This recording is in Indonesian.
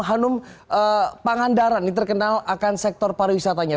hanum pangandaran ini terkenal akan sektor pariwisatanya